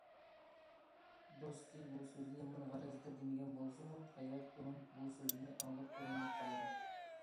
دوستى بۇ سۆزنى يامان غەرەزدە دېمىگەن بولسىمۇ، غەيرەت ئۇنىڭ بۇ سۆزىنى ئاڭلاپ ئويلىنىپ قالىدۇ.